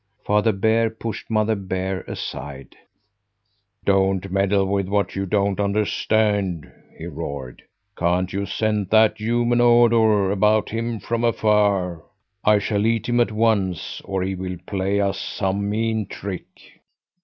Father Bear pushed Mother Bear aside. "Don't meddle with what you don't understand!" he roared. "Can't you scent that human odour about him from afar? I shall eat him at once, or he will play us some mean trick."